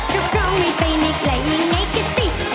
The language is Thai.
รับรองไม่ไปในไกลยังไงแค่ติดติดนึก